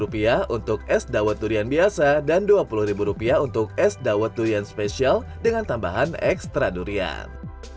lima belas rupiah untuk es dawet durian biasa dan dua puluh rupiah untuk es dawet durian spesial dengan tambahan ekstra durian